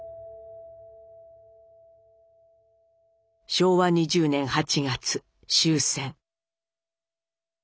昭和２０年８月終戦。